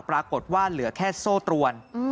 ปรากฏว่าเหลือแค่โซ่ตรวน